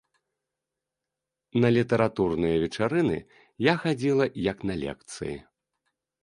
На літаратурныя вечарыны я хадзіла як на лекцыі.